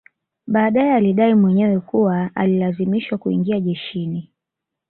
Baadae alidai mwenyewe kuwa alilazimishwa kuingia jeshini